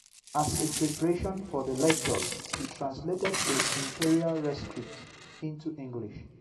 As a preparation for the lectures he translated the Imperial Rescript into English.